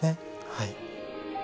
はい。